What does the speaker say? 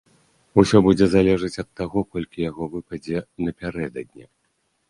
Усё будзе залежаць ад таго, колькі яго выпадзе напярэдадні.